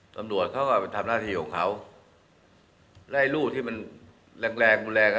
ตำรวจเขาก็ไปทำหน้าที่ของเขาและไอ้รูที่มันแรงแรงรุนแรงอ่ะ